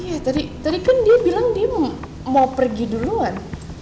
iya tadi kan dia bilang dia mau pergi duluan